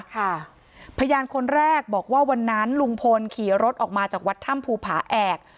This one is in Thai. พยานคนแรกบอกว่าวันนั้นลุงพลขี่รถออกมาจากวัดถ้ำภูผาแอก